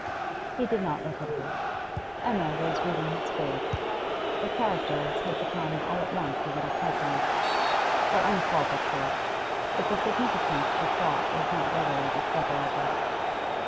He did not look at her. Emma was reading his face; the characters had become all at once a little puzzling; her own fault, of course, but the significance she sought was not readily discoverable.